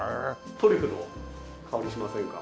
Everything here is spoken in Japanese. トリュフの香りしませんか？